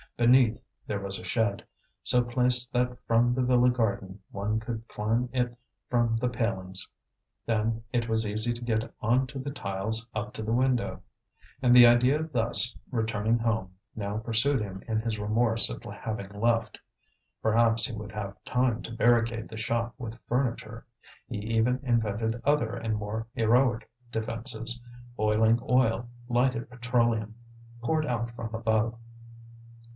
Beneath there was a shed, so placed that from the villa garden one could climb it from the palings; then it was easy to get on to the tiles up to the window. And the idea of thus returning home now pursued him in his remorse at having left. Perhaps he would have time to barricade the shop with furniture; he even invented other and more heroic defences boiling oil, lighted petroleum, poured out from above.